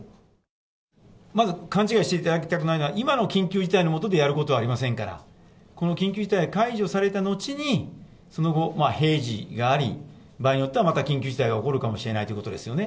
まず勘違いしていただきたくないのは、今の緊急事態の下でやることはありませんから、この緊急事態が解除された後に、その後、平時があり、場合によっては、また緊急事態が起こるかもしれないということですよね。